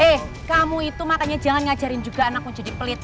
eh kamu itu makanya jangan ngajarin juga anak menjadi pelit